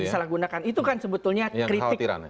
disalahgunakan itu kan sebetulnya kritik